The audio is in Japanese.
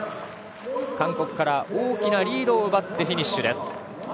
韓国から大きなリードを奪ってフィニッシュです。